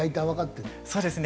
そうですね。